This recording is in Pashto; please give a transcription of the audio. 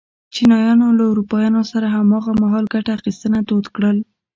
چینایانو له اروپایانو سره هماغه مهال ګته اخیستنه دود کړل.